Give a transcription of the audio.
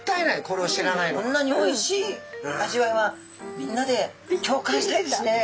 こんなにおいしい味わいはみんなで共感したいですね。